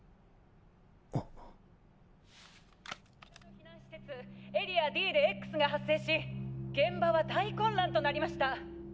「避難施設エリアＤで“Ｘ”が発生し現場は大混乱となりました。